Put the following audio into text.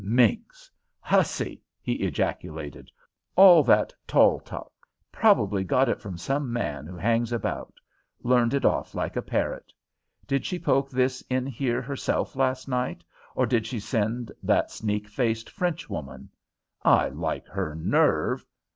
"Minx! hussy!" he ejaculated. "All that tall talk ! Probably got it from some man who hangs about; learned it off like a parrot. Did she poke this in here herself last night, or did she send that sneak faced Frenchwoman? I like her nerve!"